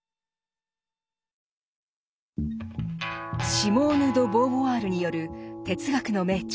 シモーヌ・ド・ボーヴォワールによる哲学の名著